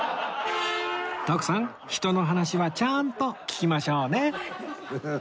徳さん人の話はちゃんと聞きましょうね